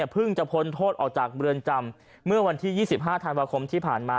เพิ่งจะพ้นโทษออกจากเรือนจำเมื่อวันที่๒๕ธันวาคมที่ผ่านมา